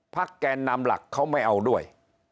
แกนนำหลักเขาไม่เอาด้วย